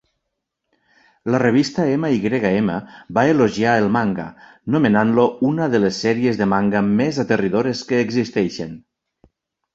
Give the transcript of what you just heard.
La revista "MyM" va elogiar el manga, nomenant-lo "una de les sèries de manga més aterridores que existeixen".